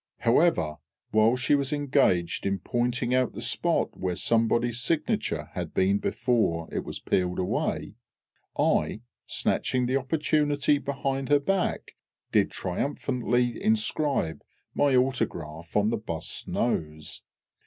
However, while she was engaged in pointing out the spot where somebody's signature had been before it was peeled away, I, snatching the opportunity behind her back, did triumphantly inscribe my autograph on the bust's nose.